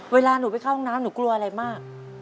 เวลาหนูไปเข้าห้องน้ำหนูกลัวอะไรมาก